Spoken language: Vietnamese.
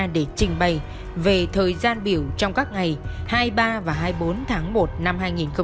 để trình bày về thời gian biểu trong các ngày hai mươi ba và hai mươi bốn tháng một năm hai nghìn hai mươi